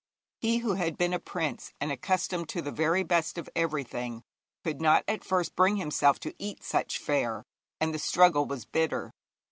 He who had been a prince, and accustomed to the very best of everything, could not at first bring himself to eat such fare, and the struggle was bitter.